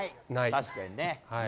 確かにね。